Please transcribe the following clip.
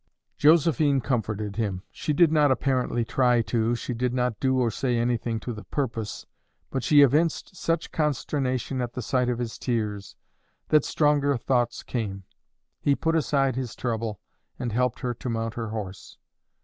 Josephine comforted him. She did not apparently try to, she did not do or say anything to the purpose; but she evinced such consternation at the sight of his tears, that stronger thoughts came. He put aside his trouble, and helped her to mount her horse.